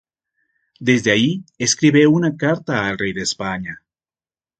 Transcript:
Desde allí escribe una carta al Rey de España.